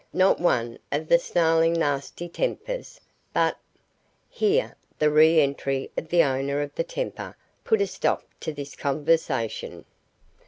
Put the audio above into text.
Not one of the snarling nasty tempers, but " Here the re entry of the owner of the temper put a stop to this conversation.